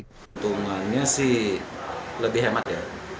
keuntungannya sih lebih hemat ya